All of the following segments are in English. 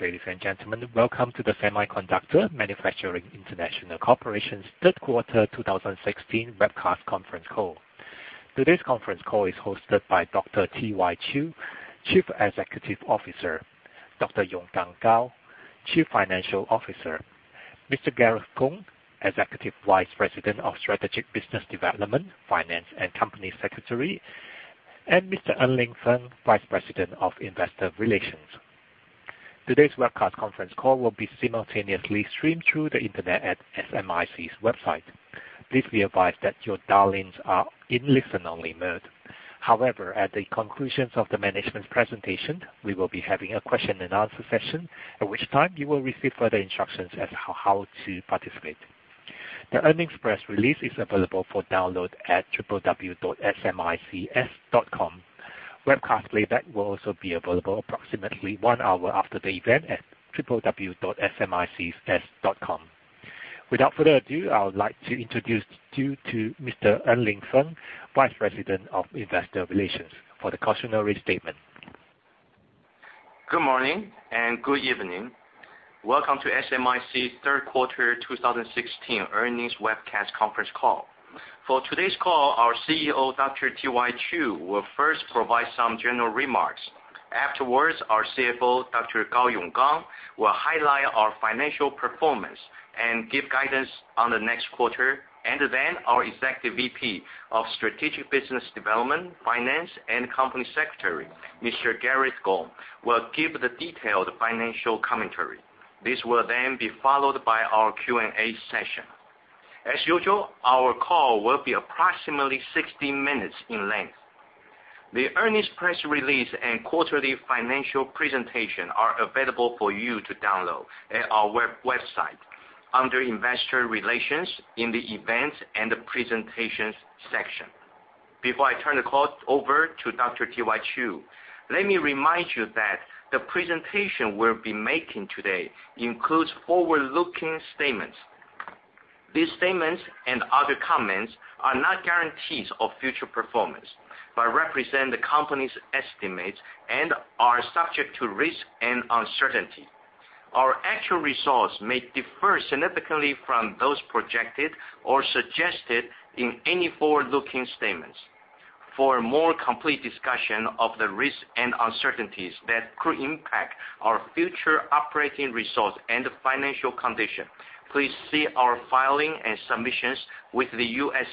Ladies and gentlemen, welcome to the Semiconductor Manufacturing International Corporation's third quarter 2016 webcast conference call. Today's conference call is hosted by Dr. T.Y. Chiu, Chief Executive Officer, Dr. Yonggang Gao, Chief Financial Officer, Mr. Gareth Kung, Executive Vice President of Strategic Business Development, Finance, and Company Secretary, and Mr. En-Ling Feng, Vice President of Investor Relations. Today's webcast conference call will be simultaneously streamed through the internet at SMIC's website. Please be advised that your dial-ins are in listen-only mode. At the conclusion of the management's presentation, we will be having a question and answer session, at which time you will receive further instructions as how to participate. The earnings press release is available for download at www.smic.com. Webcast playback will also be available approximately one hour after the event at www.smic.com. Without further ado, I would like to introduce you to Mr. En-Ling Feng, Vice President of Investor Relations, for the cautionary statement. Good morning and good evening. Welcome to SMIC's third quarter 2016 earnings webcast conference call. For today's call, our CEO, Dr. T.Y. Chiu, will first provide some general remarks. Afterwards, our CFO, Dr. Gao Yonggang, will highlight our financial performance and give guidance on the next quarter. Our Executive VP of Strategic Business Development, Finance, and Company Secretary, Mr. Gareth Kung, will give the detailed financial commentary. This will then be followed by our Q&A session. As usual, our call will be approximately 60 minutes in length. The earnings press release and quarterly financial presentation are available for you to download at our website under Investor Relations in the Events and Presentations section. Before I turn the call over to Dr. T.Y. Chiu, let me remind you that the presentation we'll be making today includes forward-looking statements. These statements and other comments are not guarantees of future performance, but represent the company's estimates and are subject to risk and uncertainty. Our actual results may differ significantly from those projected or suggested in any forward-looking statements. For a more complete discussion of the risks and uncertainties that could impact our future operating results and financial condition, please see our filings and submissions with the U.S.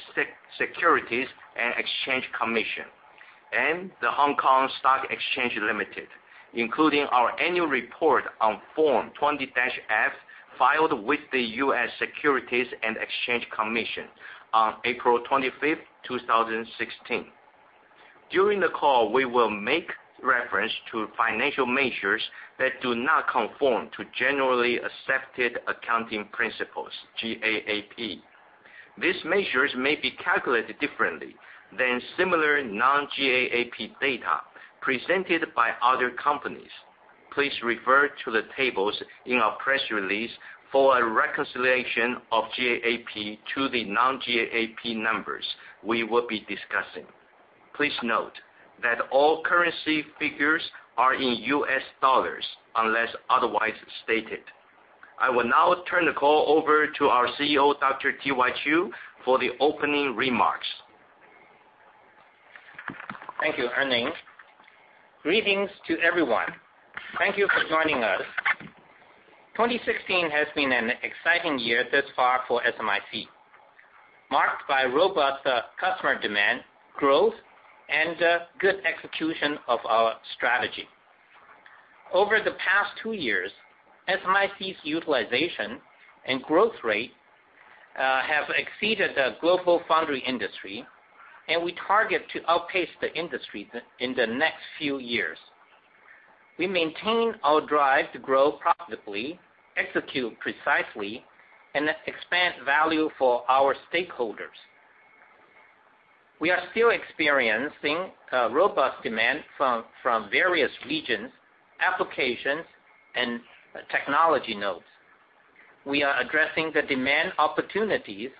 Securities and Exchange Commission and The Stock Exchange of Hong Kong Limited, including our annual report on Form 20-F filed with the U.S. Securities and Exchange Commission on April 25th, 2016. During the call, we will make reference to financial measures that do not conform to generally accepted accounting principles, GAAP. These measures may be calculated differently than similar non-GAAP data presented by other companies. Please refer to the tables in our press release for a reconciliation of GAAP to the non-GAAP numbers we will be discussing. Please note that all currency figures are in US dollars, unless otherwise stated. I will now turn the call over to our CEO, Dr. T.Y. Chiu, for the opening remarks. Thank you, En-Ling. Greetings to everyone. Thank you for joining us. 2016 has been an exciting year this far for SMIC, marked by robust customer demand, growth, and good execution of our strategy. Over the past two years, SMIC's utilization and growth rate have exceeded the global foundry industry, and we target to outpace the industry in the next few years. We maintain our drive to grow profitably, execute precisely, and expand value for our stakeholders. We are still experiencing robust demand from various regions, applications, and technology nodes. We are addressing the demand opportunities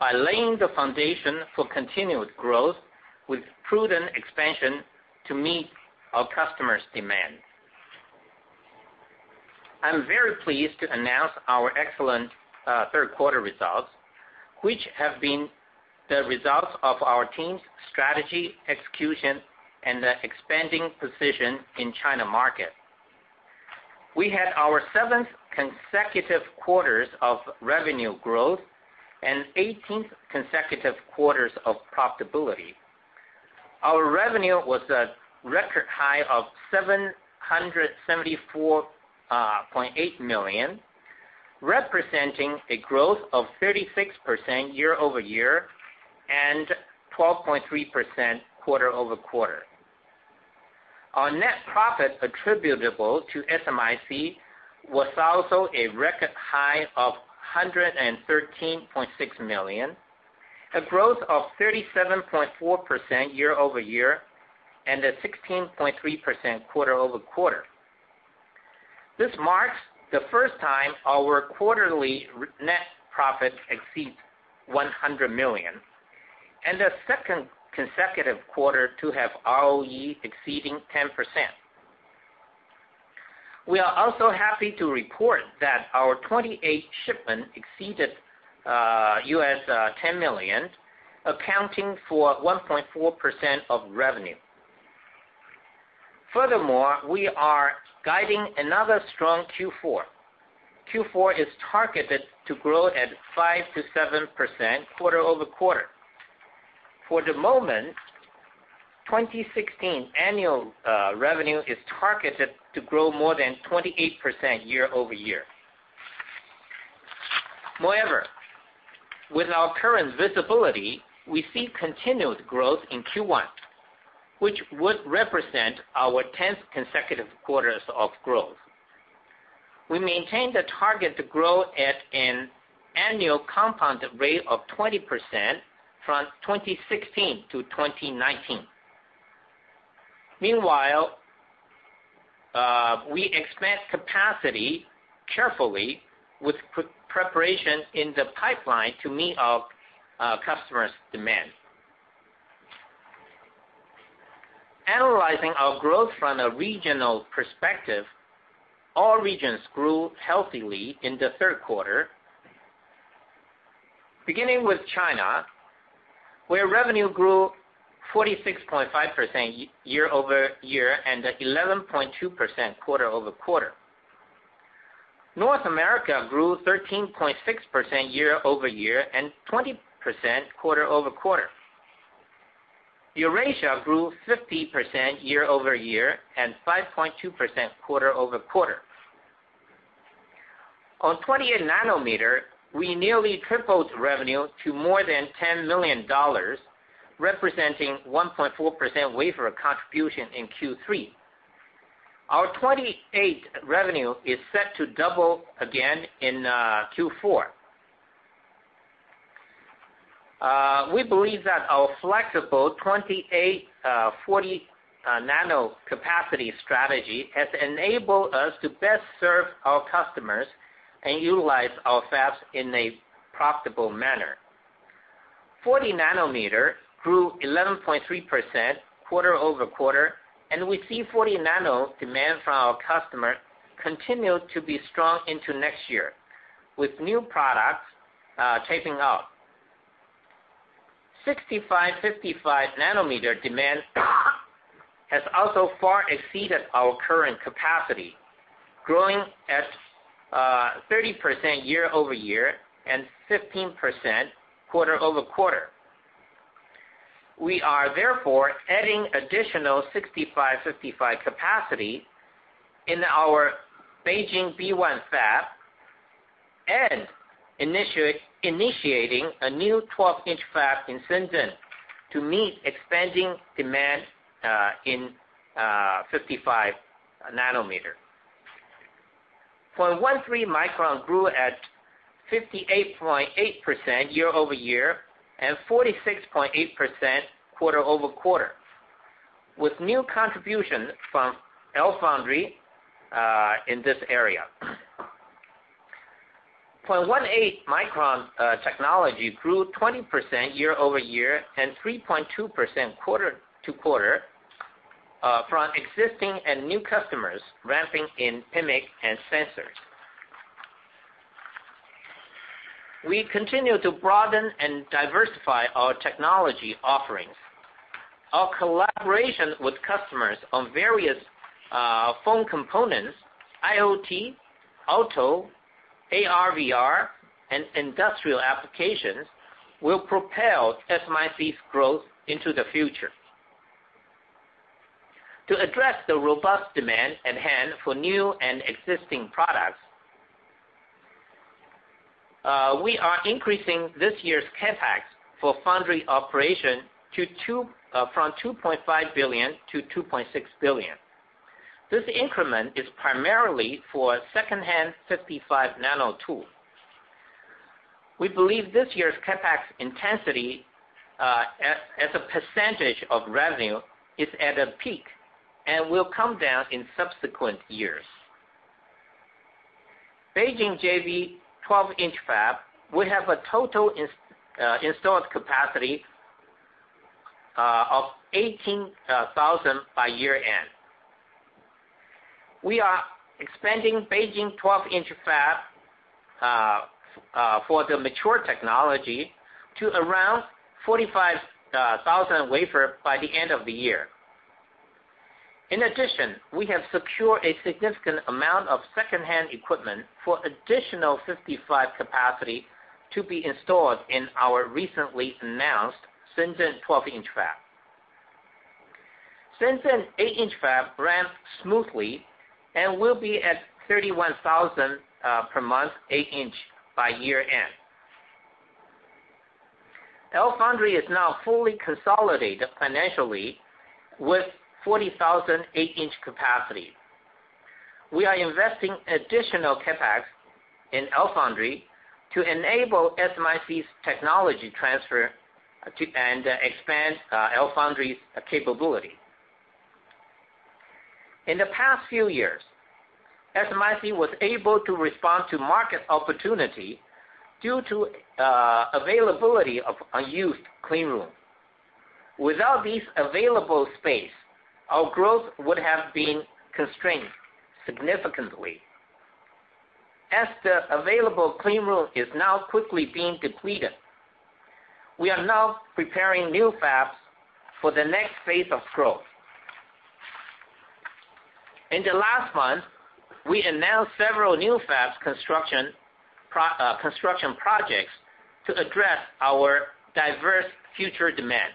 by laying the foundation for continued growth with prudent expansion to meet our customers' demand. I am very pleased to announce our excellent third quarter results, which have been the results of our team's strategy, execution, and expanding position in China market. We had our seventh consecutive quarters of revenue growth and 18th consecutive quarters of profitability. Our revenue was a record high of $774.8 million, representing a growth of 36% year-over-year and 12.3% quarter-over-quarter. Our net profit attributable to SMIC was also a record high of $113.6 million, a growth of 37.4% year-over-year and 16.3% quarter-over-quarter. This marks the first time our quarterly net profit exceeds $100 million. The second consecutive quarter to have ROE exceeding 10%. We are also happy to report that our 28 shipment exceeded $10 million, accounting for 1.4% of revenue. Furthermore, we are guiding another strong Q4. Q4 is targeted to grow at 5%-7% quarter-over-quarter. For the moment, 2016 annual revenue is targeted to grow more than 28% year-over-year. Moreover, with our current visibility, we see continued growth in Q1, which would represent our 10th consecutive quarters of growth. We maintain the target to grow at an annual compound rate of 20% from 2016 to 2019. Meanwhile, we expand capacity carefully with preparation in the pipeline to meet our customers' demand. Analyzing our growth from a regional perspective, all regions grew healthily in the third quarter, beginning with China, where revenue grew 46.5% year-over-year and 11.2% quarter-over-quarter. North America grew 13.6% year-over-year and 20% quarter-over-quarter. Eurasia grew 50% year-over-year and 5.2% quarter-over-quarter. On 28 nanometer, we nearly tripled revenue to more than $10 million, representing 1.4% wafer contribution in Q3. Our 28 revenue is set to double again in Q4. We believe that our flexible 28/40 nano capacity strategy has enabled us to best serve our customers and utilize our fabs in a profitable manner. 40 nanometer grew 11.3% quarter-over-quarter, and we see 40 nano demand from our customers continue to be strong into next year with new products taping out. 65/55 nanometer demand has also far exceeded our current capacity, growing at 30% year-over-year and 15% quarter-over-quarter. We are therefore adding additional 65/55 capacity in our Beijing B1 fab and initiating a new 12-inch fab in Shenzhen to meet expanding demand in 55 nanometer. 0.13 micron grew at 58.8% year-over-year and 46.8% quarter-over-quarter, with new contribution from LFoundry in this area. 0.18 micron technology grew 20% year-over-year and 3.2% quarter to quarter from existing and new customers ramping in PMIC and sensors. We continue to broaden and diversify our technology offerings. Our collaborations with customers on various phone components, IoT, auto, AR/VR, and industrial applications will propel SMIC's growth into the future. To address the robust demand at hand for new and existing products, we are increasing this year's CapEx for foundry operation from $2.5 billion to $2.6 billion. This increment is primarily for secondhand 55 nano tool. We believe this year's CapEx intensity as a percentage of revenue is at a peak and will come down in subsequent years. Beijing JV 12-inch fab will have a total installed capacity of 18,000 by year-end. We are expanding Beijing 12-inch fab for the mature technology to around 45,000 wafer by the end of the year. In addition, we have secured a significant amount of secondhand equipment for additional 55 capacity to be installed in our recently announced Shenzhen 12-inch fab. Shenzhen 8-inch fab ran smoothly and will be at 31,000 per month 8-inch by year end. LFoundry is now fully consolidated financially with 40,000 8-inch capacity. We are investing additional CapEx in LFoundry to enable SMIC's technology transfer and expand LFoundry's capability. In the past few years, SMIC was able to respond to market opportunity due to availability of unused clean room. Without this available space, our growth would have been constrained significantly. As the available clean room is now quickly being depleted, we are now preparing new fabs for the next phase of growth. In the last month, we announced several new fabs construction projects to address our diverse future demand.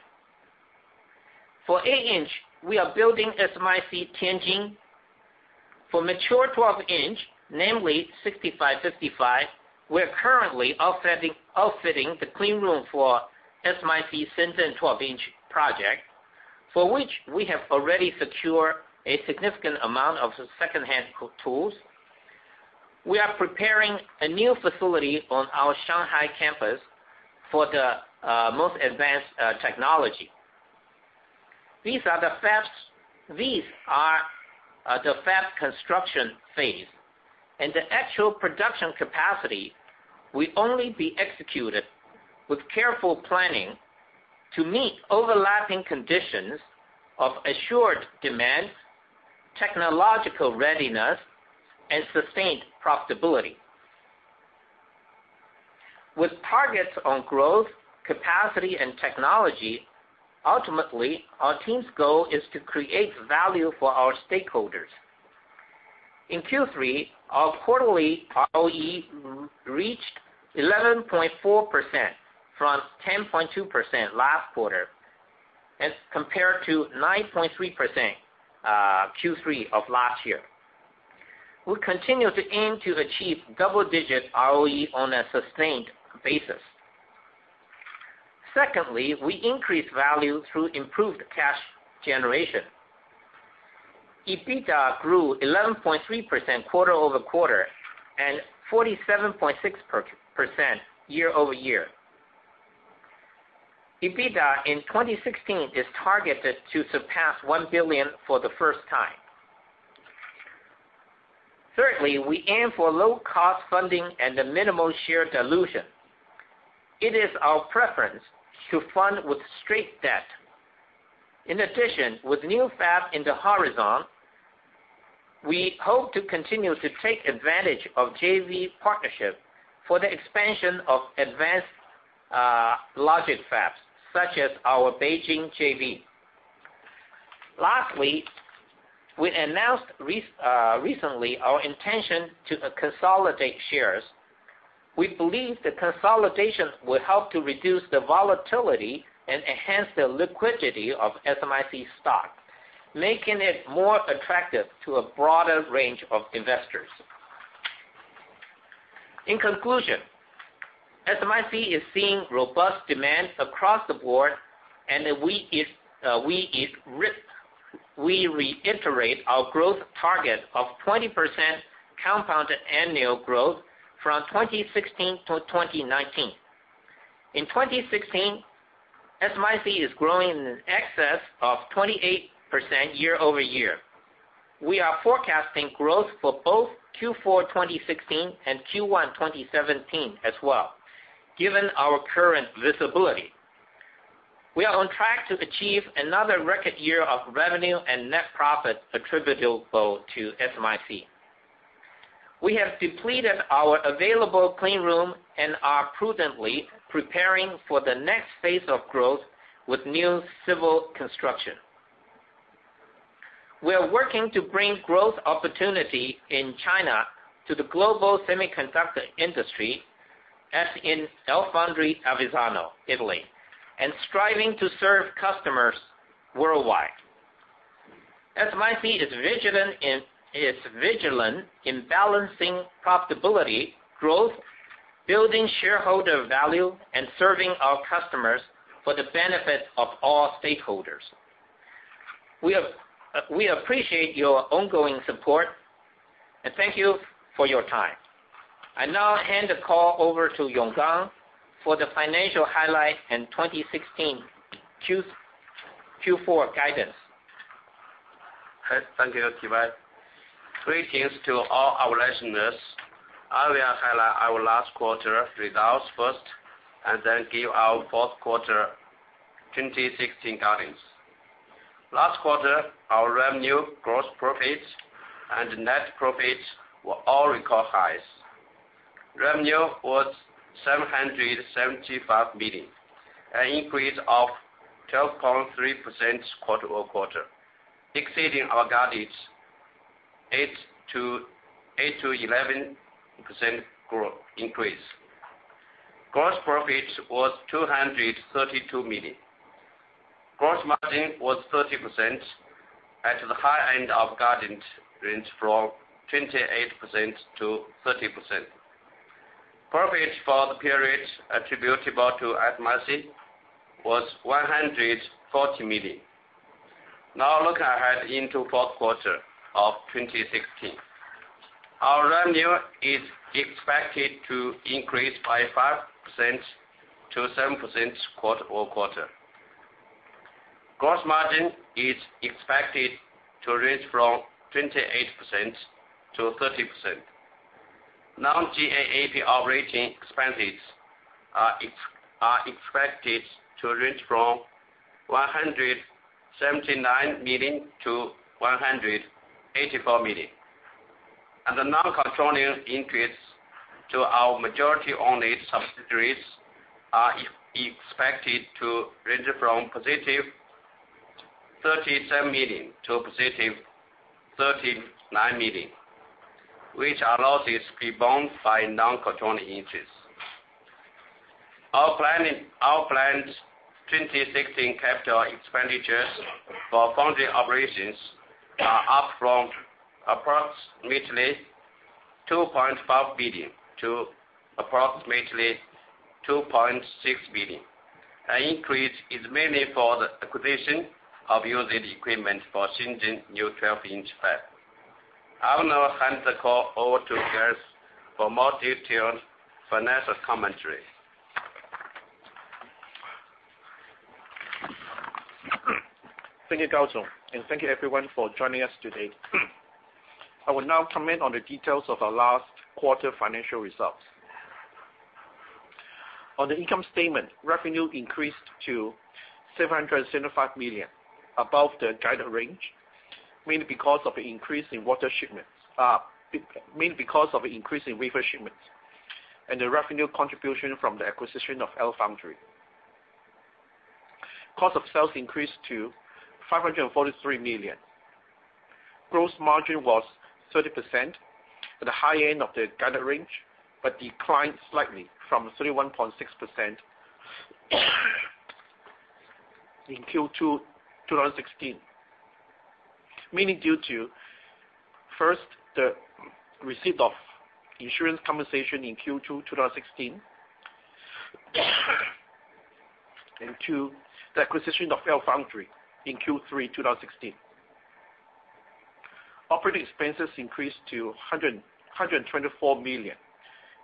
For 8-inch, we are building SMIC Tianjin. For mature 12-inch, namely 65, 55, we are currently outfitting the clean room for SMIC Shenzhen 12-inch project, for which we have already secured a significant amount of the secondhand tools. We are preparing a new facility on our Shanghai campus for the most advanced technology. These are the fab construction phase and the actual production capacity will only be executed with careful planning to meet overlapping conditions of assured demand, technological readiness, and sustained profitability. With targets on growth, capacity, and technology, ultimately, our team's goal is to create value for our stakeholders. In Q3, our quarterly ROE reached 11.4% from 10.2% last quarter as compared to 9.3% Q3 of last year. We continue to aim to achieve double-digit ROE on a sustained basis. Secondly, we increase value through improved cash generation. EBITDA grew 11.3% quarter-over-quarter and 47.6% year-over-year. EBITDA in 2016 is targeted to surpass $1 billion for the first time. We aim for low-cost funding and the minimum share dilution. It is our preference to fund with straight debt. In addition, with new fab in the horizon, we hope to continue to take advantage of JV partnership for the expansion of advanced logic fabs, such as our Beijing JV. We announced recently our intention to consolidate shares. We believe the consolidation will help to reduce the volatility and enhance the liquidity of SMIC stock, making it more attractive to a broader range of investors. In conclusion, SMIC is seeing robust demand across the board, and we reiterate our growth target of 20% compounded annual growth from 2016 to 2019. In 2016, SMIC is growing in excess of 28% year-over-year. We are forecasting growth for both Q4 2016 and Q1 2017 as well, given our current visibility. We are on track to achieve another record year of revenue and net profit attributable to SMIC. We have depleted our available clean room and are prudently preparing for the next phase of growth with new civil construction. We are working to bring growth opportunity in China to the global semiconductor industry as in LFoundry Avezzano, Italy, and striving to serve customers worldwide. SMIC is vigilant in balancing profitability, growth, building shareholder value, and serving our customers for the benefit of all stakeholders. We appreciate your ongoing support and thank you for your time. I now hand the call over to Yonggang for the financial highlight and 2016 Q4 guidance. Thank you, T.Y. Greetings to all our listeners. I will highlight our last quarter results first and then give our fourth quarter 2016 guidance. Our revenue, gross profits, and net profits were all record highs. Revenue was $775 million, an increase of 12.3% quarter-over-quarter, exceeding our guidance, 8%-11% growth increase. Gross profit was $232 million. Gross margin was 30%, at the high end of guidance range from 28%-30%. Profit for the period attributable to SMIC was $140 million. Now look ahead into fourth quarter of 2016. Our revenue is expected to increase by 5%-7% quarter-over-quarter. Gross margin is expected to range from 28%-30%. non-GAAP operating expenses are expected to range from $179 million-$184 million. The non-controlling interests to our majority-owned subsidiaries are expected to range from positive $37 million to positive $39 million, which are losses rebound by non-controlling interests. Our planned 2016 capital expenditures for foundry operations are up from approximately $2.5 billion to approximately $2.6 billion. The increase is mainly for the acquisition of used equipment for Shenzhen new 12-inch fab. I will now hand the call over to Gareth for more detailed financial commentary. Thank you, Gao-zūn, and thank you everyone for joining us today. I will now comment on the details of our last quarter financial results. On the income statement, revenue increased to $775 million, above the guided range, mainly because of the increase in wafer shipments, and the revenue contribution from the acquisition of LFoundry. Cost of sales increased to $543 million. Gross margin was 30% at the high end of the guided range, but declined slightly from 31.6% in Q2 2016. Mainly due to, first, the receipt of insurance compensation in Q2 2016, and 2, the acquisition of LFoundry in Q3 2016. Operating expenses increased to $124 million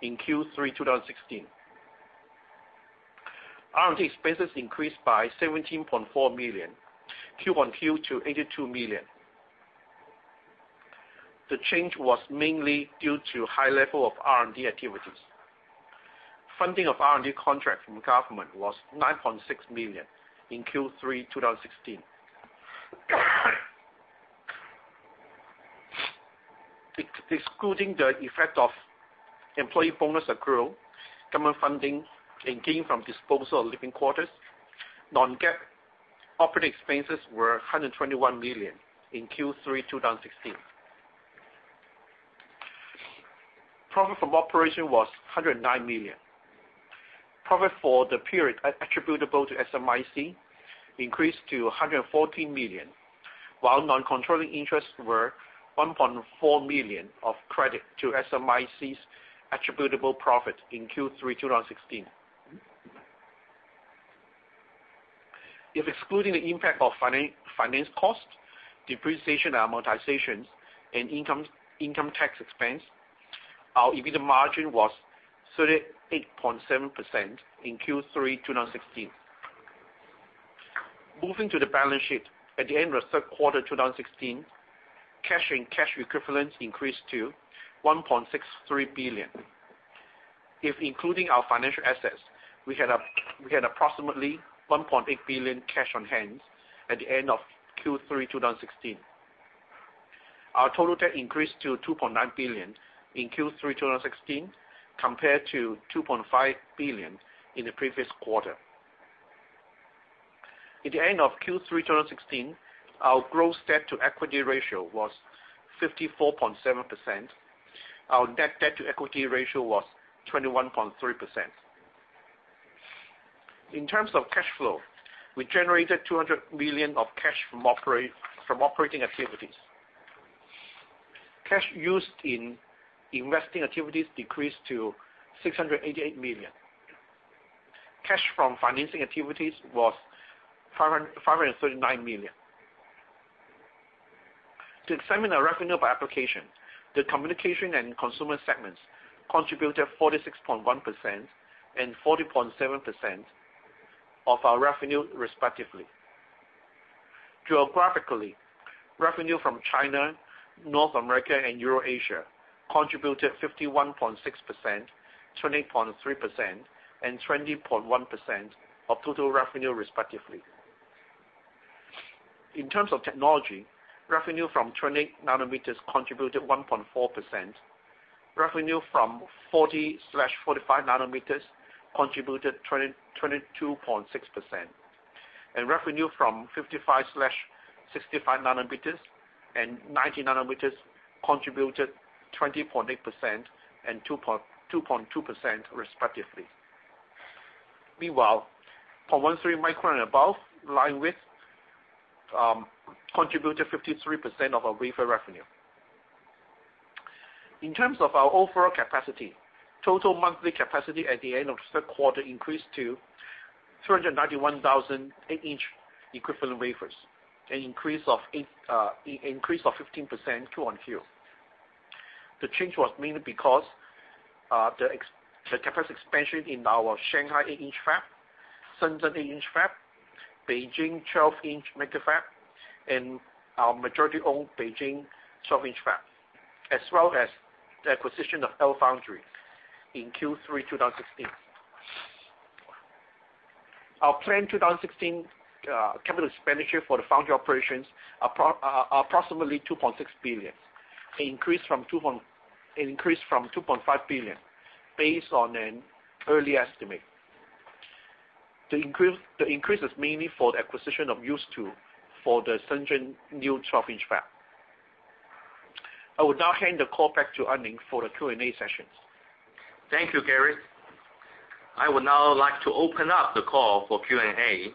in Q3 2016. R&D expenses increased by $17.4 million, Q-on-Q to $82 million. The change was mainly due to high level of R&D activities. Funding of R&D contract from government was $9.6 million in Q3 2016. Excluding the effect of employee bonus accrual, government funding, and gain from disposal of living quarters, non-GAAP operating expenses were $121 million in Q3 2016. Profit from operation was $109 million. Profit for the period attributable to SMIC increased to $114 million, while non-controlling interests were $1.4 million of credit to SMIC's attributable profit in Q3 2016. If excluding the impact of finance cost, depreciation and amortizations, and income tax expense, our EBITDA margin was 38.7% in Q3 2016. Moving to the balance sheet. At the end of the third quarter 2016, cash and cash equivalents increased to $1.63 billion. If including our financial assets, we had approximately $1.8 billion cash on hand at the end of Q3 2016. Our total debt increased to $2.9 billion in Q3 2016 compared to $2.5 billion in the previous quarter. At the end of Q3 2016, our gross debt to equity ratio was 54.7%. Our net debt to equity ratio was 21.3%. In terms of cash flow, we generated $200 million of cash from operating activities. Cash used in investing activities decreased to $688 million. Cash from financing activities was $539 million. To examine our revenue by application, the communication and consumer segments contributed 46.1% and 40.7% of our revenue respectively. Geographically, revenue from China, North America, and Euro-Asia contributed 51.6%, 20.3%, and 20.1% of total revenue respectively. In terms of technology, revenue from 28 nanometers contributed 1.4%, revenue from 40/45 nanometers contributed 22.6%, and revenue from 55/65 nanometers and 90 nanometers contributed 20.8% and 2.2% respectively. Meanwhile, 0.13 micron and above line width contributed 53% of our wafer revenue. In terms of our overall capacity, total monthly capacity at the end of the third quarter increased to 391,000 eight-inch equivalent wafers, an increase of 15% Q-on-Q. The change was mainly because of the capacity expansion in our Shanghai eight-inch fab, Shenzhen eight-inch fab, Beijing 12-inch mega fab, and our majority-owned Beijing 12-inch fab, as well as the acquisition of LFoundry in Q3 2016. Our planned 2016 capital expenditure for the foundry operations are approximately $2.6 billion, an increase from $2.5 billion, based on an early estimate. The increase is mainly for the acquisition of used tools for the Shenzhen new 12-inch fab. I will now hand the call back to En-Ling for the Q&A session. Thank you, Gareth. I would now like to open up the call for Q&A.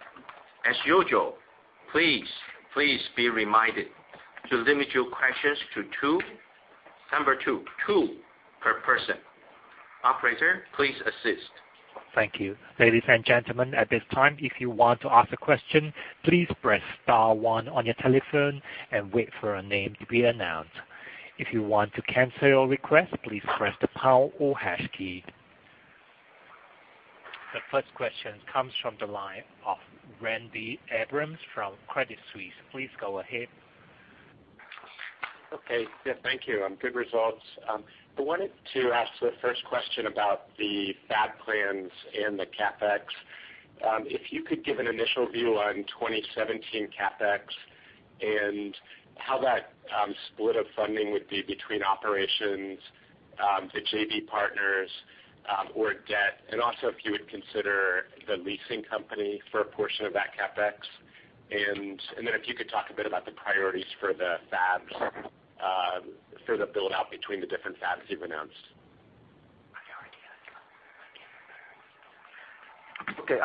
As usual, please be reminded to limit your questions to two per person. Operator, please assist. Thank you. Ladies and gentlemen, at this time, if you want to ask a question, please press star one on your telephone and wait for your name to be announced. If you want to cancel your request, please press the pound or hash key. The first question comes from the line of Randy Abrams from Credit Suisse. Please go ahead. Okay. Yeah, thank you. Good results. I wanted to ask the first question about the fab plans and the CapEx. If you could give an initial view on 2017 CapEx and how that split of funding would be between operations, the JV partners, or debt. Also, if you would consider the leasing company for a portion of that CapEx. Then if you could talk a bit about the priorities for the fabs, for the build out between the different fabs you've announced. Okay,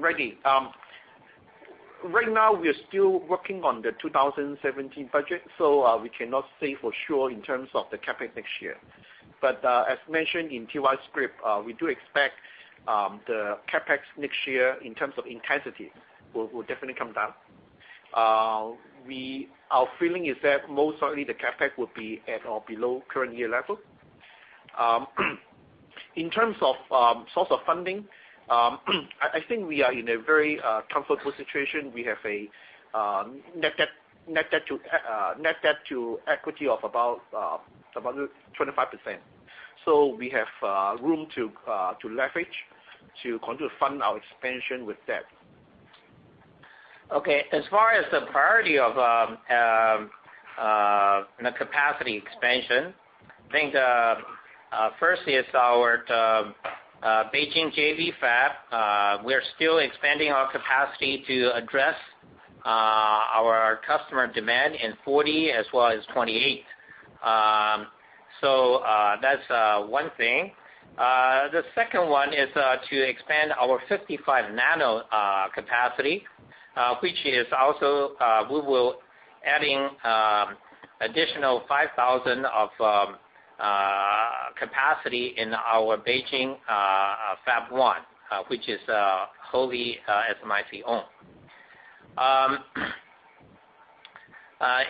Randy. Right now, we are still working on the 2017 budget, so we cannot say for sure in terms of the CapEx next year. As mentioned in T.Y.'s script, we do expect the CapEx next year in terms of intensity will definitely come down. Our feeling is that most certainly the CapEx will be at or below current year level. In terms of source of funding, I think we are in a very comfortable situation. We have a net debt to equity of about 25%. We have room to leverage to continue to fund our expansion with debt. Okay. As far as the priority of the capacity expansion, I think firstly is our Beijing JV fab. We are still expanding our capacity to address our customer demand in 40 as well as 28. That's one thing. The second one is to expand our 55 nano capacity, which is also we will adding additional 5,000 of capacity in our Beijing fab one, which is wholly SMIC owned.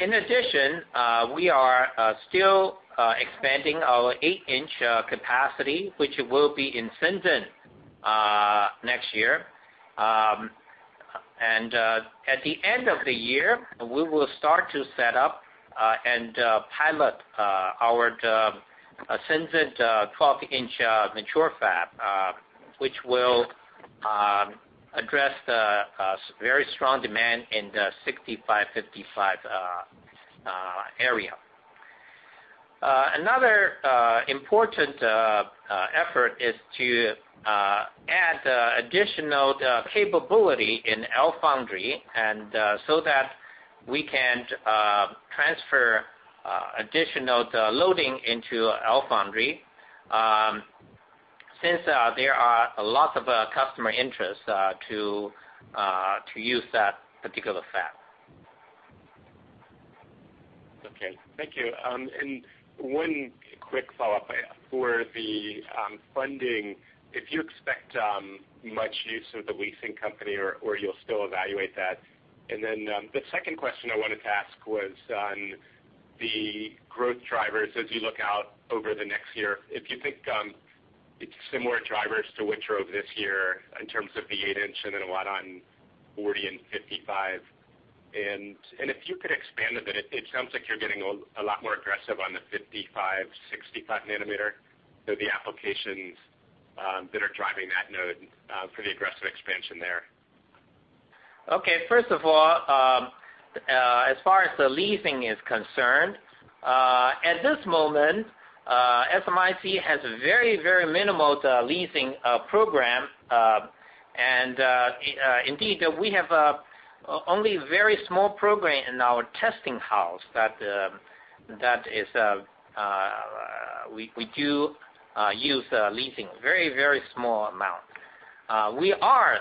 In addition, we are still expanding our 8-inch capacity, which will be in Shenzhen next year. At the end of the year, we will start to set up and pilot our Shenzhen 12-inch mature fab, which will address the very strong demand in the 65/55 area. Another important effort is to add additional capability in LFoundry, and so that we can transfer additional loading into LFoundry, since there are a lot of customer interest to use that particular fab. Okay. Thank you. One quick follow-up for the funding, if you expect much use of the leasing company or you'll still evaluate that? The second question I wanted to ask was on the growth drivers as you look out over the next year. If you think it's similar drivers to what drove this year in terms of the 8-inch and then what on 40 and 55. If you could expand a bit, it sounds like you're getting a lot more aggressive on the 55/65 nanometer. The applications that are driving that node for the aggressive expansion there. Okay, first of all, as far as the leasing is concerned, at this moment, SMIC has very minimal leasing program. Indeed, we have only very small program in our testing house that we do use leasing, very small amount. We are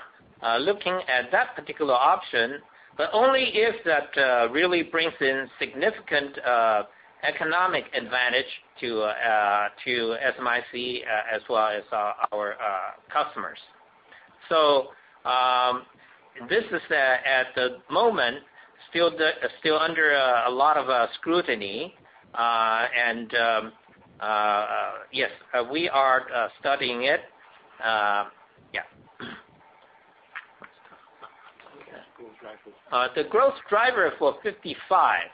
looking at that particular option, but only if that really brings in significant economic advantage to SMIC as well as our customers. This is, at the moment, still under a lot of scrutiny. Yes, we are studying it. Growth drivers. The growth driver for 55.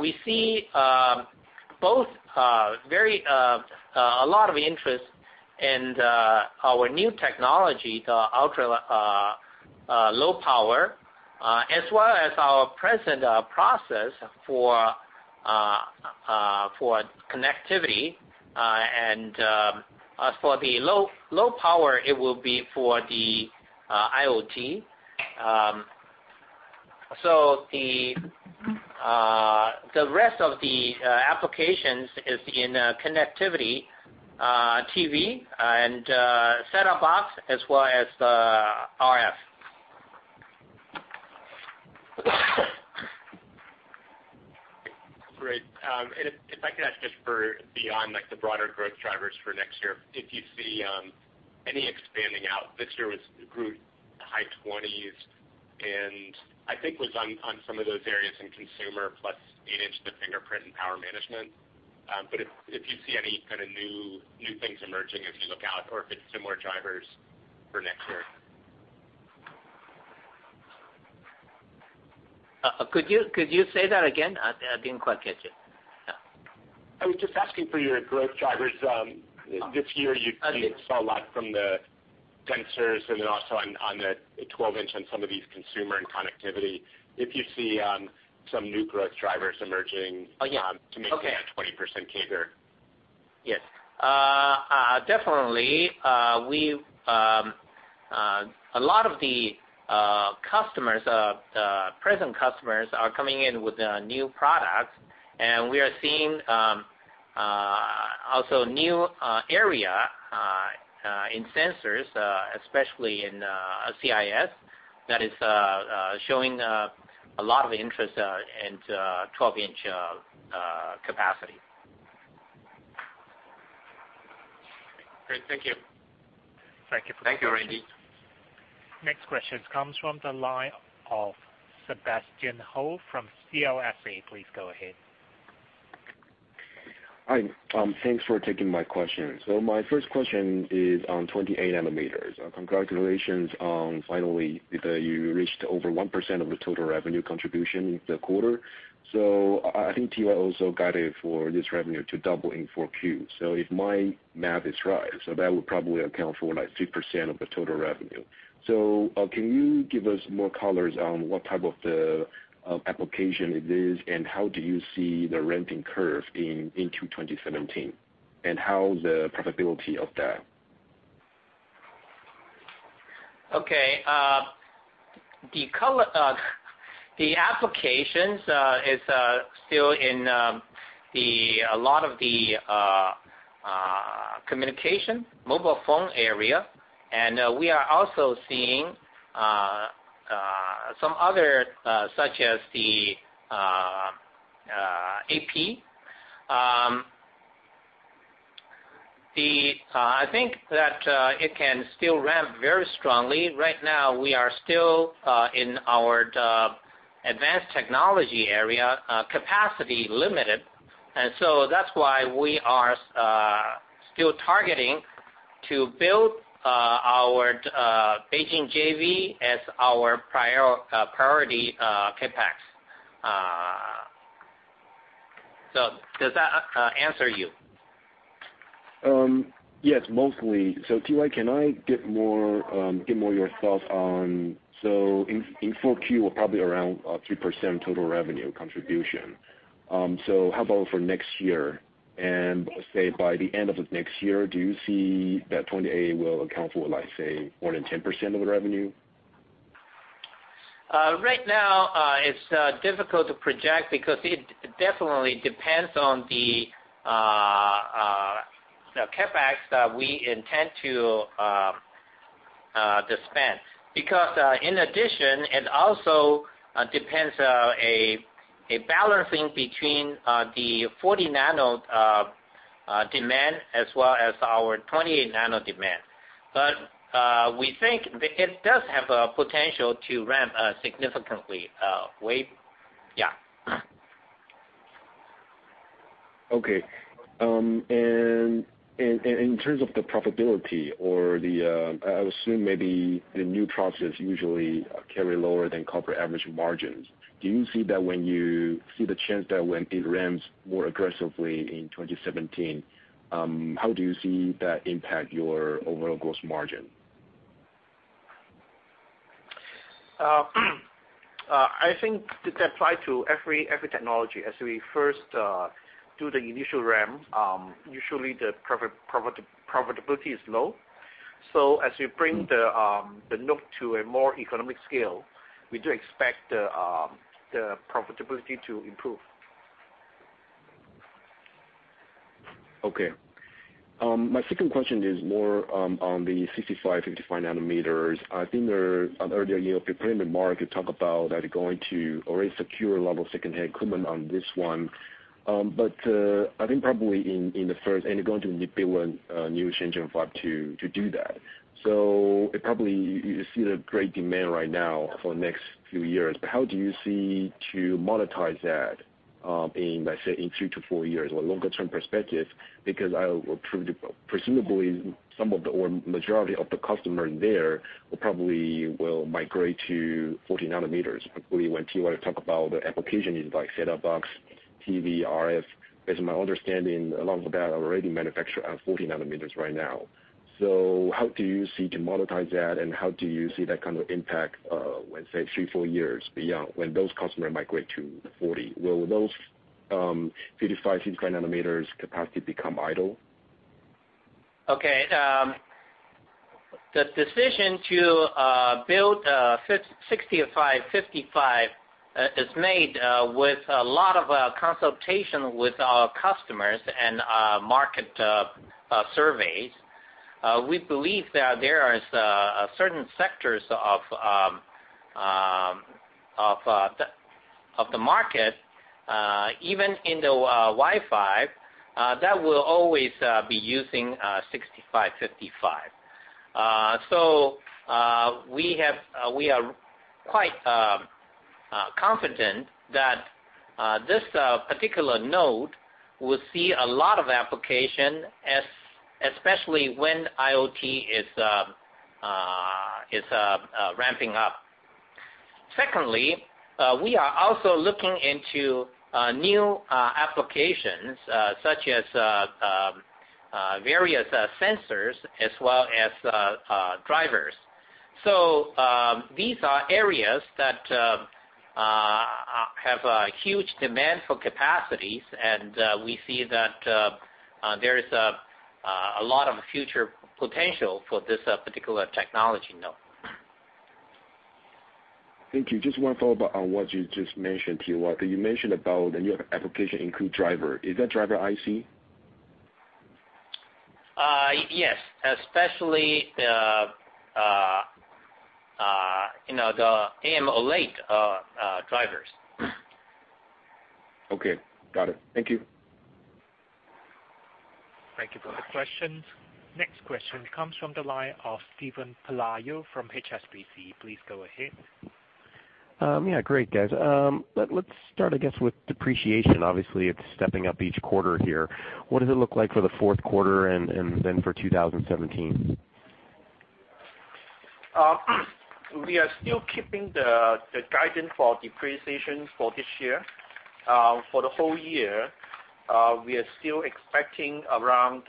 We see a lot of interest in our new technology, the ultra-low power, as well as our present process for connectivity. As for the low power, it will be for the IoT. The rest of the applications is in connectivity, TV, and set-top box, as well as the RF. Great. If I could ask just for beyond the broader growth drivers for next year, if you see any expanding out. This year grew high 20s, and I think was on some of those areas in consumer, plus 8-inch, the fingerprint and power management. If you see any kind of new things emerging as you look out or if it's similar drivers for next year. Could you say that again? I didn't quite catch it. Yeah. I was just asking for your growth drivers. This year. Okay. saw a lot from the sensors and then also on the 12-inch on some of these consumer and connectivity, if you see some new growth drivers emerging? Yeah. Okay. to maintain that 20% CAGR. Yes. Definitely. A lot of the present customers are coming in with new products, we are seeing also new area in sensors, especially in CIS, that is showing a lot of interest in 12-inch capacity. Great. Thank you. Thank you, Randy. Next question comes from the line of Sebastian Hou from CLSA. Please go ahead. Hi. Thanks for taking my question. My first question is on 28 nanometers. Congratulations on finally you reached over 1% of the total revenue contribution in the quarter. I think T.Y. also guided for this revenue to double in 4Q. If my math is right, that would probably account for 3% of the total revenue. Can you give us more colors on what type of application it is, and how do you see the ramping curve into 2017? How the profitability of that? Okay. The applications is still in a lot of the communication mobile phone area. We are also seeing some other such as the AP. I think that it can still ramp very strongly. Right now, we are still in our advanced technology area, capacity limited. That's why we are still targeting to build our Beijing JV as our priority CapEx. Does that answer you? Yes, mostly. T.Y., can I get more your thoughts on, in 4Q, probably around 3% total revenue contribution. How about for next year? Say, by the end of next year, do you see that 28 will account for, let's say, more than 10% of the revenue? Right now, it's difficult to project because it definitely depends on the CapEx that we intend to dispense. In addition, it also depends a balancing between the 40 nano demand as well as our 20 nano demand. We think it does have a potential to ramp significantly. Okay. In terms of the profitability, or I assume maybe the new process usually carry lower than corporate average margins. Do you see the chance that when it ramps more aggressively in 2017, how do you see that impact your overall gross margin? I think that that apply to every technology. As we first do the initial ramp, usually the profitability is low. As we bring the node to a more economic scale, we do expect the profitability to improve. Okay. My second question is more on the 65, 55 nanometers. I think earlier, your prepared remarks, you talked about that you're going to already secure a lot of secondhand equipment on this one. I think probably in the first, and you're going to need build a new Shenzhen Fab to do that. Probably, you see the great demand right now for the next few years. How do you see to monetize that in, let's say, two to four years or longer-term perspective? Because presumably, some of the, or majority of the customer there will probably migrate to 40 nanometers. Particularly when Tzu-Yin Chiu talk about the application is like set-top box, TV, RF. Based on my understanding, a lot of that already manufacture at 40 nanometers right now. How do you see to monetize that, and how do you see that kind of impact, let's say three, four years beyond when those customer migrate to 40? Will those 55, 65 nanometers capacity become idle? Okay. The decision to build 65, 55 is made with a lot of consultation with our customers and market surveys. We believe that there is certain sectors of the market, even in the Wi-Fi, that will always be using 65, 55. We are quite confident that this particular node will see a lot of application, especially when IoT is ramping up. Secondly, we are also looking into new applications, such as various sensors as well as drivers. These are areas that have a huge demand for capacities, and we see that there is a lot of future potential for this particular technology node. Thank you. Just one follow-up on what you just mentioned, T.Y. You mentioned about your application include driver. Is that driver IC? Yes, especially the AMOLED drivers. Okay, got it. Thank you. Thank you for the questions. Next question comes from the line of Steven Pelayo from HSBC. Please go ahead. Yeah. Great, guys. Let's start, I guess, with depreciation. Obviously, it's stepping up each quarter here. What does it look like for the fourth quarter and then for 2017? We are still keeping the guidance for depreciation for this year. For the whole year, we are still expecting around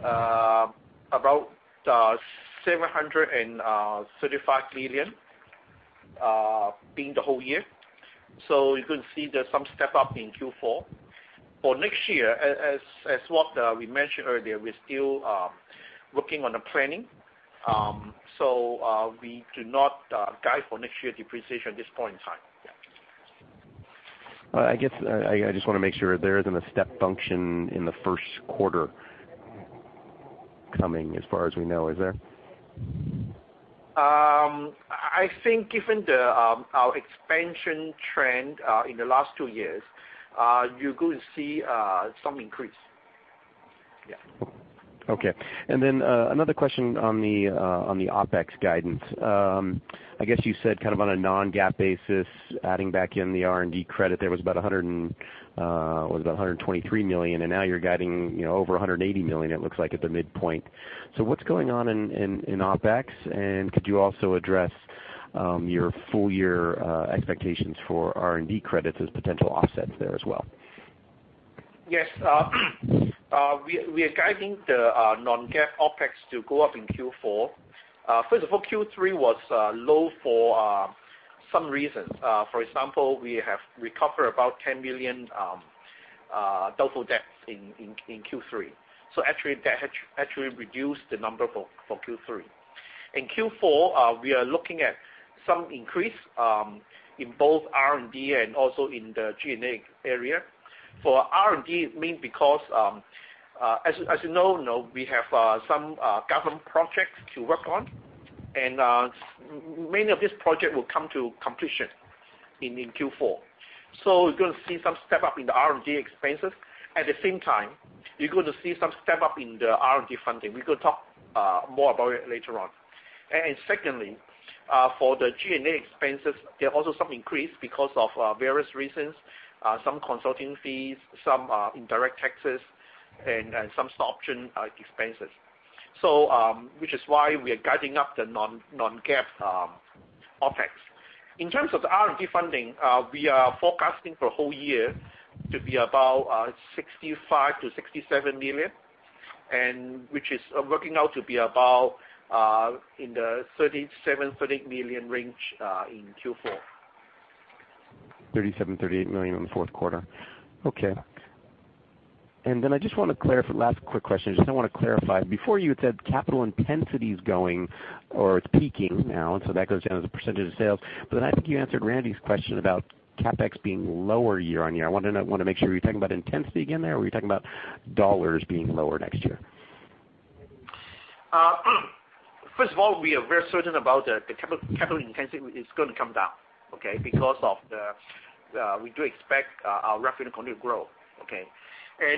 about $735 million, being the whole year. You could see there's some step-up in Q4. For next year, as what we mentioned earlier, we're still working on the planning. We do not guide for next year depreciation at this point in time. Yeah. I guess I just want to make sure there isn't a step function in the first quarter coming as far as we know. Is there? I think given our expansion trend in the last two years, you're going to see some increase. Yeah. Okay. Another question on the OpEx guidance. I guess you said kind of on a non-GAAP basis, adding back in the R&D credit there was about $123 million, and now you're guiding over $180 million, it looks like, at the midpoint. What's going on in OpEx, and could you also address your full-year expectations for R&D credits as potential offsets there as well? Yes. We are guiding the non-GAAP OpEx to go up in Q4. First of all, Q3 was low for some reasons. For example, we have recovered about $10 million [DFO] debt in Q3. That actually reduced the number for Q3. In Q4, we are looking at some increase in both R&D and also in the G&A area. For R&D, it means because, as you know, we have some government projects to work on, and many of these projects will come to completion in Q4. You're going to see some step-up in the R&D expenses. At the same time, you're going to see some step-up in the R&D funding. We could talk more about it later on. Secondly, for the G&A expenses, there are also some increase because of various reasons. Some consulting fees, some indirect taxes, and some stock option expenses. Which is why we are guiding up the non-GAAP OpEx. In terms of R&D funding, we are forecasting for whole year to be about $65 million-$67 million, and which is working out to be about in the $37 million-$38 million range in Q4. $37 million, $38 million on the fourth quarter. Okay. I just want to clarify, last quick question. I want to clarify. Before you had said capital intensity is going or it's peaking now, that goes down as a percentage of sales. I think you answered Randy's question about CapEx being lower year-on-year. I want to make sure, were you talking about intensity again there? Or were you talking about dollars being lower next year? First of all, we are very certain about the capital intensity is going to come down, okay? Because we do expect our revenue to continue to grow, okay?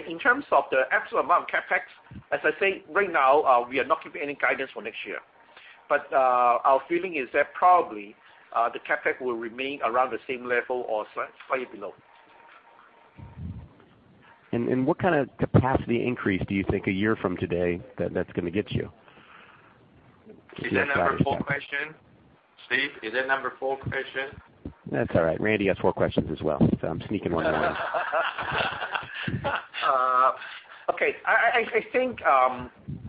In terms of the absolute amount of CapEx, as I say, right now, we are not giving any guidance for next year. Our feeling is that probably, the CapEx will remain around the same level or slightly below. What kind of capacity increase do you think a year from today that's going to get you? Is that number four question? Steve, is that number four question? That's all right. Randy has four questions as well. I'm sneaking one in. Okay. I think,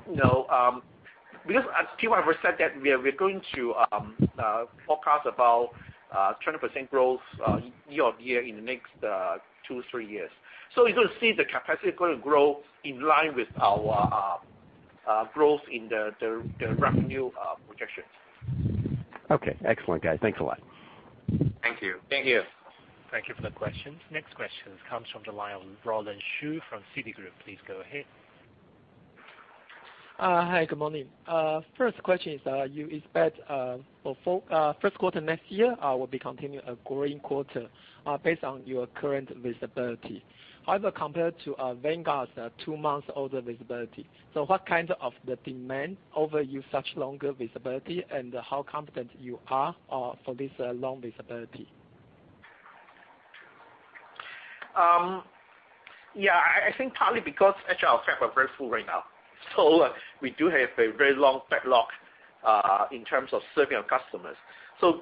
because as Tzu-Yin have said that we are going to forecast about 20% growth year-on-year in the next two, three years. You're going to see the capacity going to grow in line with our growth in the revenue projections. Okay. Excellent, guys. Thanks a lot. Thank you. Thank you. Thank you for the question. Next question comes from the line of Roland Shu from Citigroup. Please go ahead. Hi, good morning. First question is, you expect for first quarter next year will be continuing a growing quarter based on your current visibility. However, compared to Vanguard's two months order visibility. What kind of the demand over you such longer visibility, and how confident you are for this long visibility? Yeah, I think partly because actually our fab are very full right now. We do have a very long backlog in terms of serving our customers.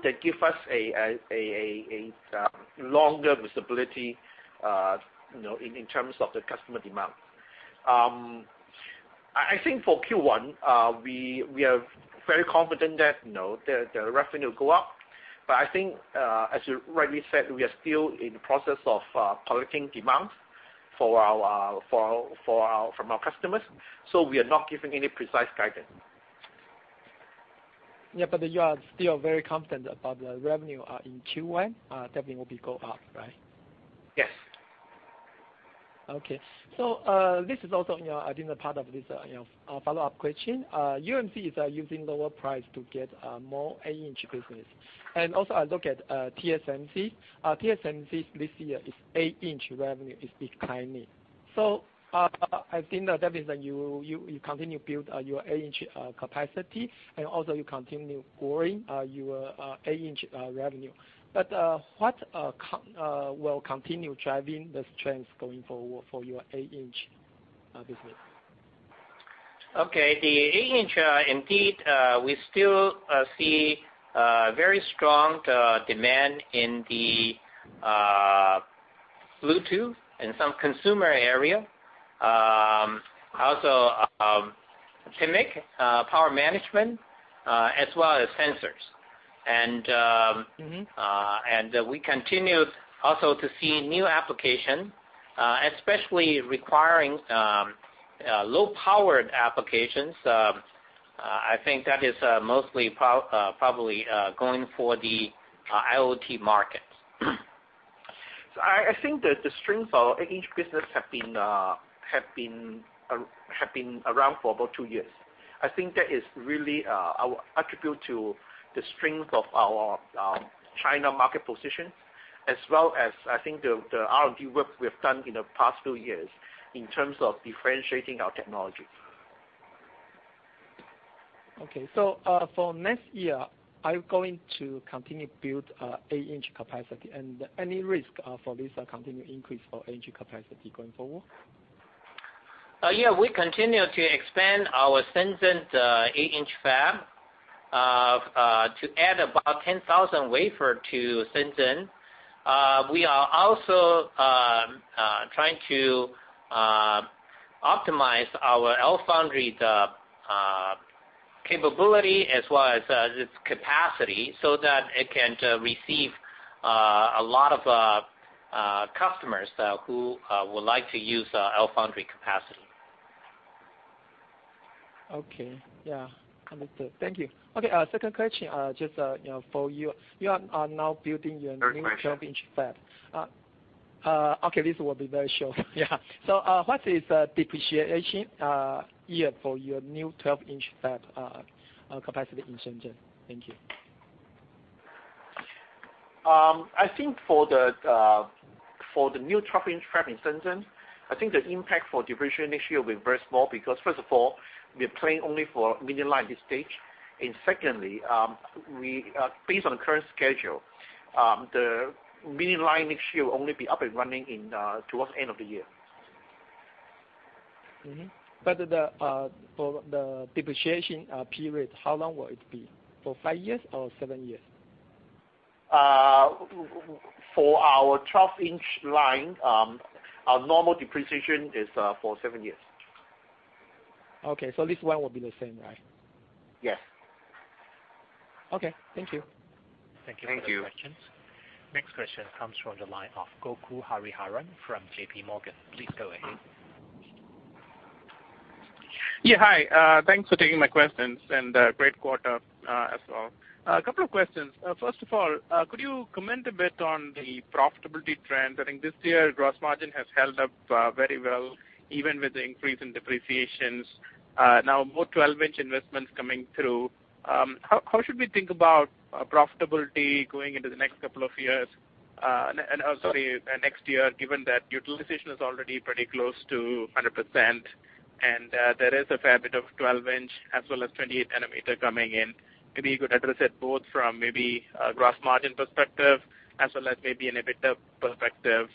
They give us a longer visibility, in terms of the customer demand. I think for Q1, we are very confident that the revenue go up. I think, as you rightly said, we are still in the process of collecting demands from our customers. We are not giving any precise guidance. Yeah, you are still very confident about the revenue in Q1, definitely will be go up, right? Yes. Okay. This is also in, I think a part of this follow-up question. UMC is using lower price to get more eight-inch business. Also, I look at TSMC. TSMC this year, its eight-inch revenue is declining. I think that means that you continue build your eight-inch capacity, also you continue growing your eight-inch revenue. What will continue driving the trends going forward for your eight-inch business? Okay. The eight-inch, indeed, we still see very strong demand in the Bluetooth and some consumer area. Also, chemical power management, as well as sensors. We continue also to see new application, especially requiring low-powered applications. I think that is mostly probably going for the IoT market. I think that the strength of our eight-inch business have been around for about two years. I think that is really our attribute to the strength of our China market position, as well as I think the R&D work we have done in the past few years in terms of differentiating our technology. Okay. For next year, are you going to continue build eight-inch capacity, and any risk for this continued increase for eight-inch capacity going forward? Yeah. We continue to expand our Shenzhen eight-inch fab to add about 10,000 wafer to Shenzhen. We are also trying to optimize our LFoundry capability as well as its capacity so that it can receive a lot of customers who would like to use LFoundry capacity. Okay. Yeah. Understood. Thank you. Okay. Second question, just for you. You are now building your Third question new 12-inch fab. Okay, this will be very short. Yeah. What is depreciation year for your new 12-inch fab capacity in Shenzhen? Thank you. I think for the new 12-inch fab in Shenzhen, I think the impact for depreciation this year will be very small because first of all, we are planning only for middle line this stage. Secondly, based on the current schedule, the middle line next year will only be up and running towards end of the year. Mm-hmm. For the depreciation period, how long will it be? For five years or seven years? For our 12-inch line, our normal depreciation is for seven years. Okay. This one will be the same, right? Yes. Okay. Thank you. Thank you for the questions. Next question comes from the line of Gokul Hariharan from JP Morgan. Please go ahead. Yeah. Hi. Thanks for taking my questions. Great quarter as well. A couple of questions. First of all, could you comment a bit on the profitability trends? I think this year gross margin has held up very well even with the increase in depreciations. More 12-inch investments coming through. How should we think about profitability going into the next couple of years, and also next year, given that utilization is already pretty close to 100% and there is a fair bit of 12-inch as well as 28 nanometer coming in? Maybe you could address it both from maybe a gross margin perspective as well as maybe an EBITDA perspective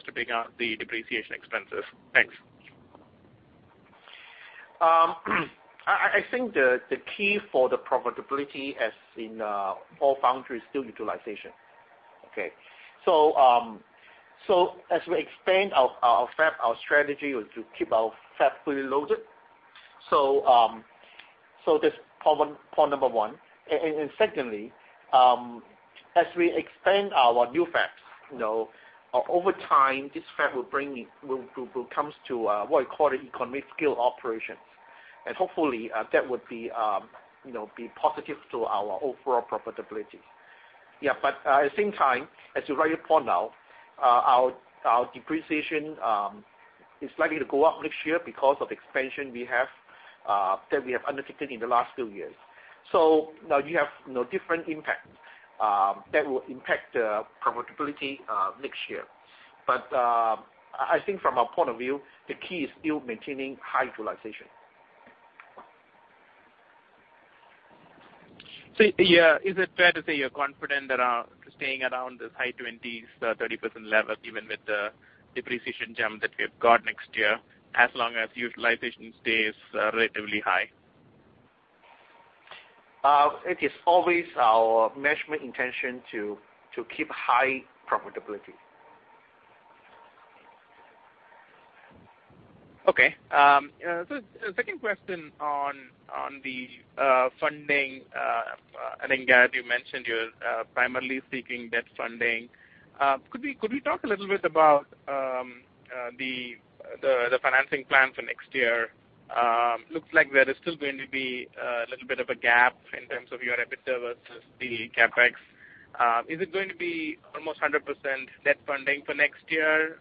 stripping out the depreciation expenses. Thanks. I think the key for the profitability, as in all foundries, still utilization. Okay. As we expand our fab, our strategy was to keep our fab fully loaded. This is point number one. Secondly, as we expand our new fabs, over time this fab will come to what we call economy scale operations. Hopefully that would be positive to our overall profitability. At the same time, as you rightly point out, our depreciation is likely to go up next year because of expansion that we have undertaken in the last few years. Now you have different impacts that will impact profitability next year. I think from our point of view, the key is still maintaining high utilization. Is it fair to say you're confident that staying around this high 20s, 30% level, even with the depreciation jump that we've got next year, as long as utilization stays relatively high? It is always our management intention to keep high profitability. Okay. Second question on the funding. I think, Gareth, you mentioned you're primarily seeking debt funding. Could you talk a little bit about the financing plan for next year? Looks like there is still going to be a little bit of a gap in terms of your EBITDA versus the CapEx. Is it going to be almost 100% debt funding for next year?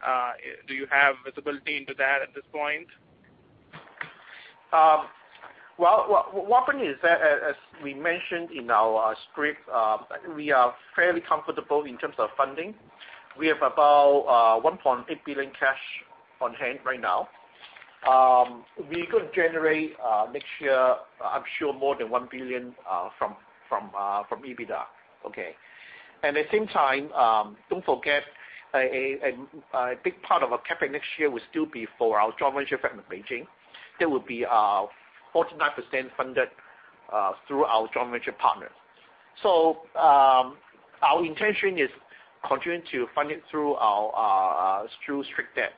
Do you have visibility into that at this point? What happened is that, as we mentioned in our script, we are fairly comfortable in terms of funding. We have about $1.8 billion cash on hand right now. We could generate next year, I'm sure more than $1 billion from EBITDA, okay? At the same time, don't forget a big part of our CapEx next year will still be for our joint venture fab in Beijing. That will be 49% funded through our joint venture partners. Our intention is continuing to fund it through strict debt.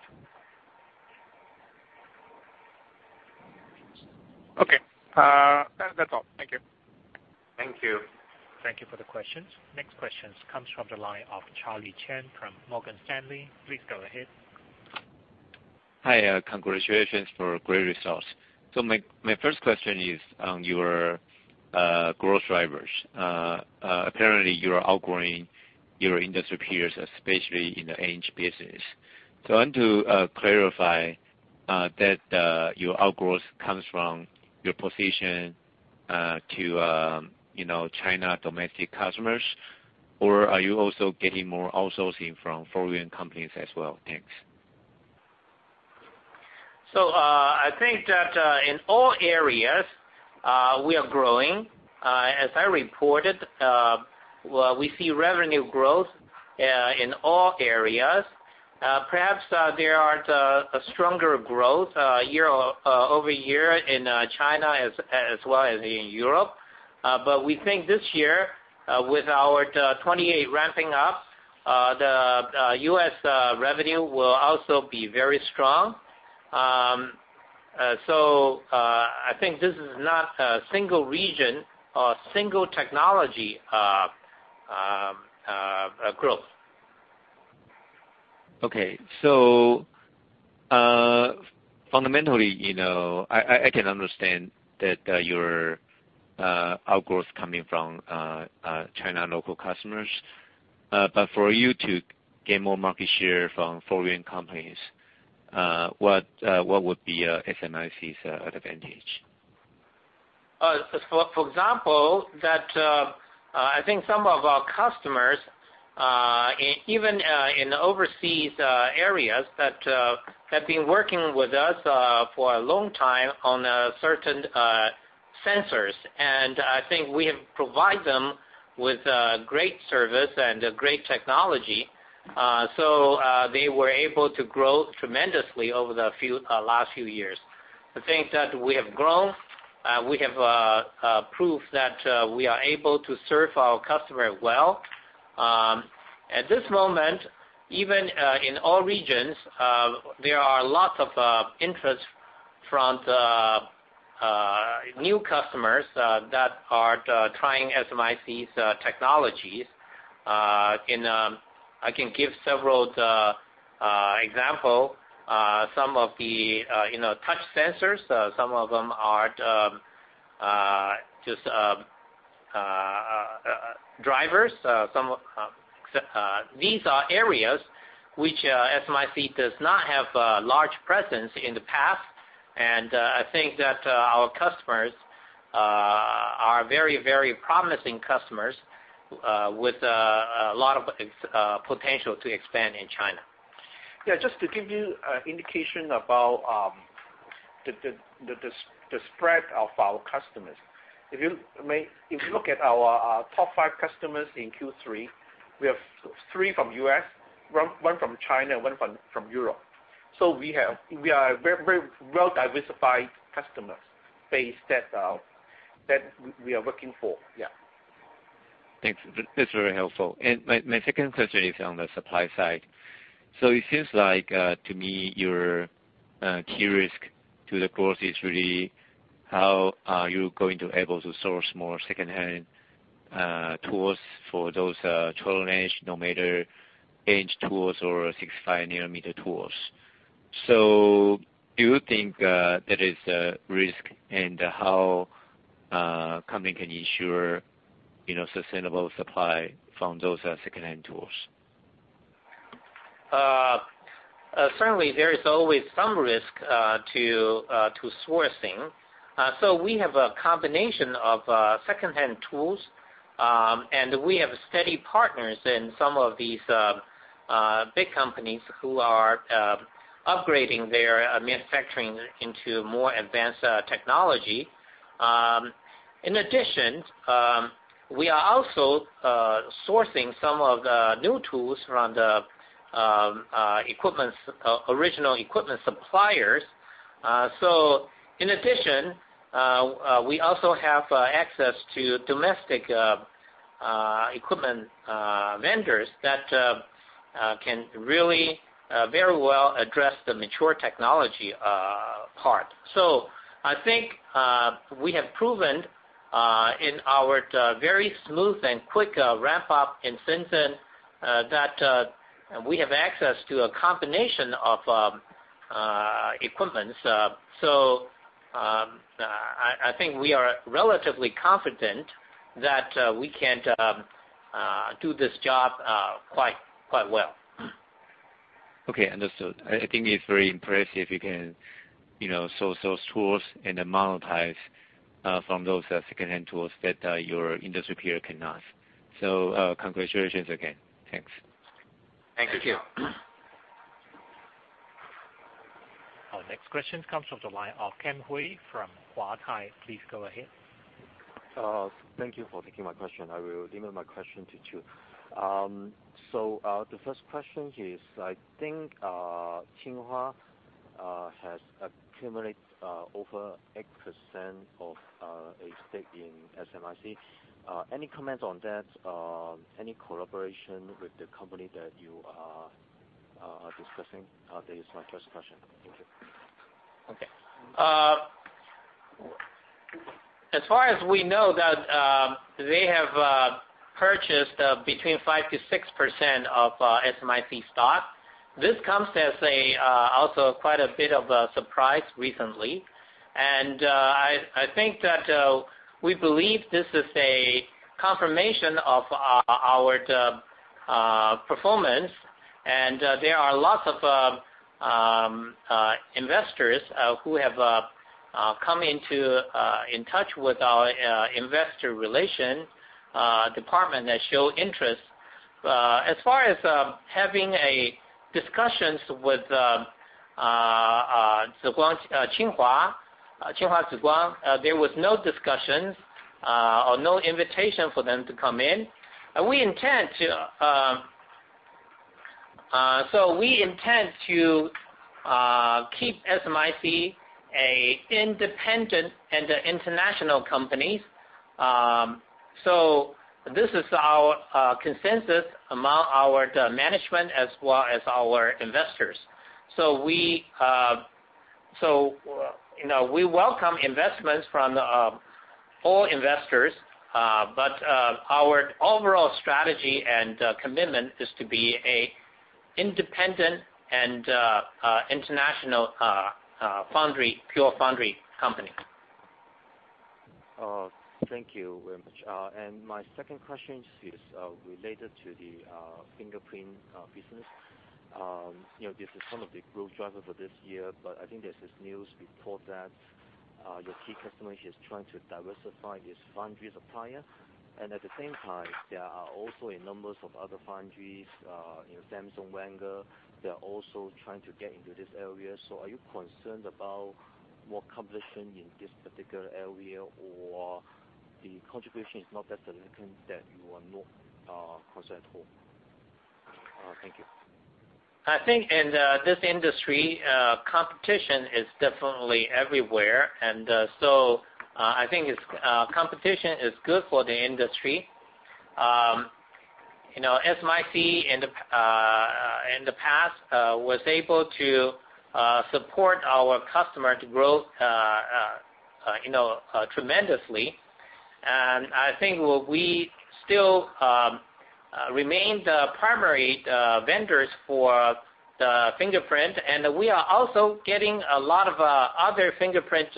Okay. That's all. Thank you. Thank you. Thank you for the questions. Next questions comes from the line of Charlie Chan from Morgan Stanley. Please go ahead. Hi, congratulations for great results. My first question is on your growth drivers. Apparently you're outgrowing your industry peers, especially in the edge business. I want to clarify that your outgrowth comes from your position to China domestic customers, or are you also getting more outsourcing from foreign companies as well? Thanks. I think that in all areas, we are growing. As I reported, we see revenue growth in all areas. Perhaps there are a stronger growth year-over-year in China as well as in Europe. We think this year, with our 28 ramping up, the U.S. revenue will also be very strong. I think this is not a single region or single technology growth. Okay. Fundamentally, I can understand that your outgrowth coming from China local customers. For you to gain more market share from foreign companies, what would be SMIC's advantage? For example, I think some of our customers, even in the overseas areas that have been working with us for a long time on certain sensors, and I think we have provided them with great service and great technology. They were able to grow tremendously over the last few years. I think that we have grown, we have proved that we are able to serve our customer well. At this moment, even in all regions, there are lots of interest From the new customers that are trying SMIC's technologies. I can give several example. Some of the touch sensors, some of them are just drivers. These are areas which SMIC does not have a large presence in the past, and I think that our customers are very promising customers with a lot of potential to expand in China. Yeah, just to give you an indication about the spread of our customers. If you look at our top five customers in Q3, we have three from U.S., one from China and one from Europe. We are very well diversified customers base that we are working for. Yeah. Thanks. That's very helpful. My second question is on the supply side. It seems like, to me, your key risk to the growth is really how are you going to able to source more secondhand tools for those 12-inch, no matter inch tools or 65 nanometer tools. Do you think that is a risk, and how company can ensure sustainable supply from those secondhand tools? Certainly, there is always some risk to sourcing. We have a combination of secondhand tools, and we have steady partners in some of these big companies who are upgrading their manufacturing into more advanced technology. In addition, we are also sourcing some of the new tools from the original equipment suppliers. In addition, we also have access to domestic equipment vendors that can really very well address the mature technology part. I think we have proven in our very smooth and quick ramp-up in Shenzhen that we have access to a combination of equipments. I think we are relatively confident that we can do this job quite well. Okay, understood. I think it's very impressive you can source those tools and monetize from those secondhand tools that your industry peer cannot. Congratulations again. Thanks. Thank you. Thank you. Our next question comes from the line of Ken Hui from Huatai. Please go ahead. Thank you for taking my question. I will direct my question to Chiu. The first question is, I think Tsinghua has accumulate over 8% of a stake in SMIC. Any comments on that? Any collaboration with the company that you are discussing? That is my first question. Thank you. Okay. As far as we know that they have purchased between 5% to 6% of SMIC stock. This comes as also quite a bit of a surprise recently. I think that we believe this is a confirmation of our performance, and there are lots of investors who have come in touch with our investor relation department that show interest. As far as having a discussions with Tsinghua Unigroup, there was no discussions or no invitation for them to come in. We intend to keep SMIC a independent and international company. This is our consensus among our management as well as our investors. We welcome investments from all investors, but our overall strategy and commitment is to be a independent and international pure foundry company. Thank you very much. My second question is related to the fingerprint business. This is some of the growth driver for this year, but I think there's this news report that your key customer is trying to diversify its foundry supplier. At the same time, there are also a numbers of other foundries, Samsung, Vanguard, they're also trying to get into this area. Are you concerned about more competition in this particular area, or the contribution is not that significant that you are not concerned at all? Thank you. I think in this industry, competition is definitely everywhere. I think competition is good for the industry. SMIC in the past was able to support our customer to growth tremendously. I think we still remain the primary vendors for the fingerprint. We are also getting a lot of other fingerprint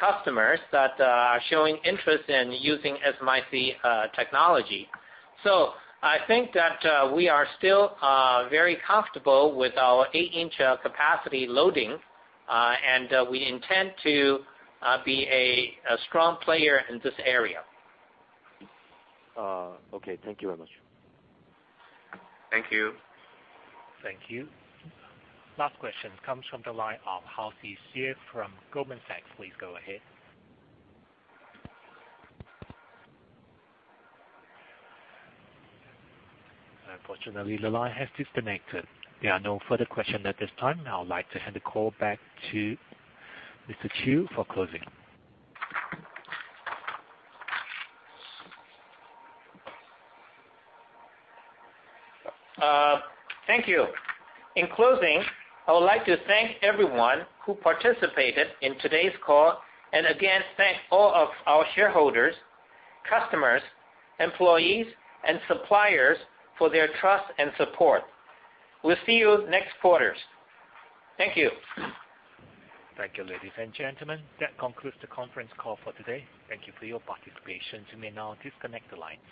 customers that are showing interest in using SMIC technology. I think that we are still very comfortable with our 8-inch capacity loading, and we intend to be a strong player in this area. Okay. Thank you very much. Thank you. Thank you. Last question comes from the line of Halsey Xie from Goldman Sachs. Please go ahead. Unfortunately, the line has disconnected. There are no further question at this time. I would like to hand the call back to Mr. Chiu for closing. Thank you. In closing, I would like to thank everyone who participated in today's call, and again, thank all of our shareholders, customers, employees, and suppliers for their trust and support. We'll see you next quarters. Thank you. Thank you, ladies and gentlemen. That concludes the conference call for today. Thank you for your participation. You may now disconnect the lines.